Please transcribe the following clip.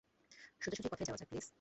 সোজাসুজি কথায় যাওয়া যাক, প্লিজ।